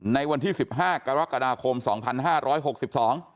ในวันที่๑๕กรกฎาคมปี๒๕๖๒